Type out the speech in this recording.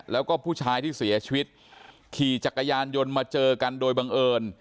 แล้วก็ผู้ชายที่เสียชีวิตขี่จักรยานยนต์มาเจอกันโดยบังเอิญ